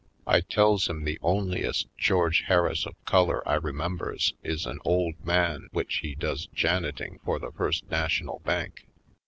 I tells him the onlyest George H^arris of color I remembers is an old man which he does janiting for the First National Bank.